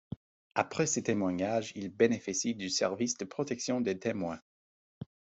Après ses témoignages, il bénéficie du service de protection des témoins.